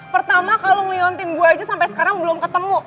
pertama kalo ngeliontin gue aja sampe sekarang belum ketemu